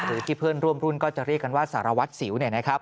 คือเพื่อนร่วมรุ่นก็จะเรียกกันว่าสารวัฏศิ๋ว